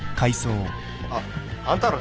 あっあんたら誰？